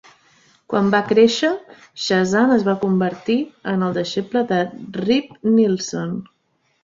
Quan va créixer, Chazan es va convertir en el deixeble de Reb Nelson.